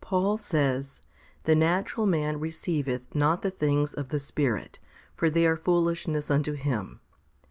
2. Paul says, The natural man receiveth not the things of the Spirit; for they are foolishness unto him.